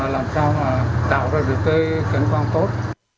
làm sao mà tạo ra những cái cảnh quan tốt